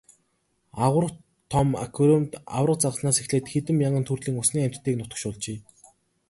Аварга том аквариумд аварга загаснаас эхлээд хэдэн мянган төрлийн усны амьтдыг нутагшуулжээ.